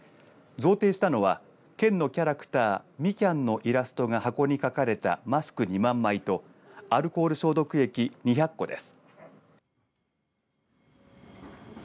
贈呈したのは県のキャラクターみきゃんのイラストが箱にかかれたマスク２万枚とアルコール消毒液２００個です。